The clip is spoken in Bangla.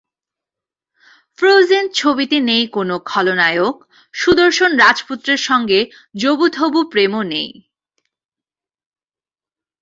ফ্রোজেন ছবিতে নেই কোনো খলনায়ক, সুদর্শন রাজপুত্রের সঙ্গে জবুথবু প্রেমও নেই।